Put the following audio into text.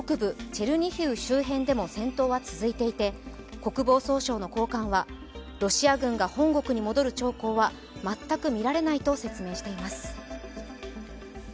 また北部チェルニヒウ周辺で戦闘は続いていて国防総省の高官は、ロシア軍が本国に戻る兆候は全く見られないと説明しています。